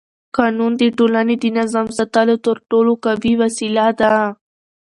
قانون د ټولنې د نظم ساتلو تر ټولو قوي وسیله ده